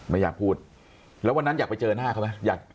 ไม่อยากพูดแล้ววันนั้นอยากไปเจอหน้าเขาไหม